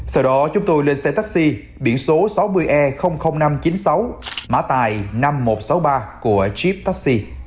sau đó chúng tôi lên xe taxi biển số sáu mươi e năm trăm chín mươi sáu mã tài năm nghìn một trăm sáu mươi ba của chip taxi